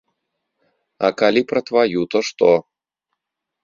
А калі пра тваю, то што?